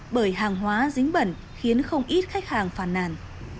bởi hàng hóa dính bẩn khiến không ít khách hàng phàn nàn